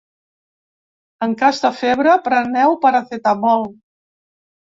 En cas de febre, preneu paracetamol.